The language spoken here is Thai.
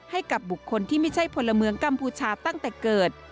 ให้กับบุคคลที่ไม่ใช่พลเมืองกัมพูชาตั้งแต่เกิด